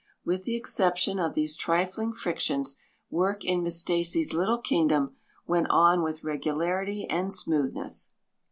With the exception of these trifling frictions, work in Miss Stacy's little kingdom went on with regularity and smoothness.